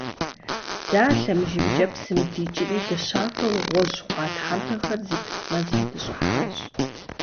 Дэ а лъэмыжымкӏэ псым дикӏри дыщафэу гъуэжь хъуа тхьэмпэхэр зыпыт мэзым дыщӏыхьащ.